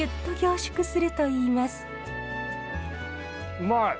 うまい！